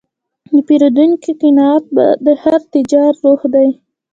د پیرودونکي قناعت د هر تجارت روح دی.